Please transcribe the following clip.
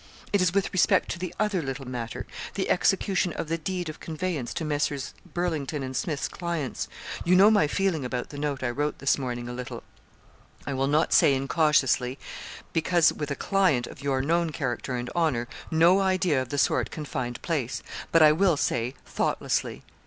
It is with respect to the other little matter the execution of the deed of conveyance to Messrs. Burlington and Smith's clients. You know my feeling about the note I wrote this morning a little I will not say incautiously, because with a client of your known character and honour, no idea of the sort can find place but I will say thoughtlessly.